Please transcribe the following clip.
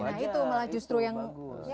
wajar itu malah justru yang bagus